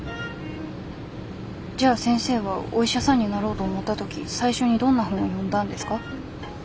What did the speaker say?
じゃあ先生はお医者さんになろうと思った時最初にどんな本を読んだんですか？